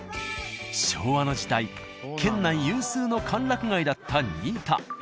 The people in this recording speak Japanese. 昭和の時代県内有数の歓楽街だった仁井田。